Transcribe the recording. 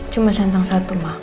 cuma sentang satu mak